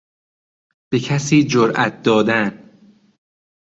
به کسی جرات دادن